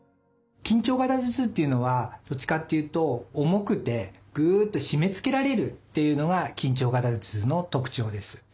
緊張型頭痛っていうのはどっちかっていうと重くてぐっと締めつけられるっていうのが緊張型頭痛の特徴です。